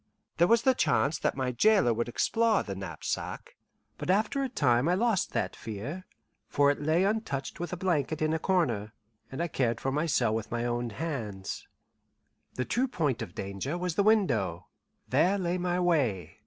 There was the chance that my jailer would explore the knapsack; but after a time I lost that fear, for it lay untouched with a blanket in a corner, and I cared for my cell with my own hands. The true point of danger was the window. There lay my way.